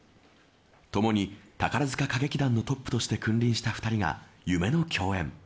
ともに宝塚歌劇団のトップとして君臨した２人が夢の共演。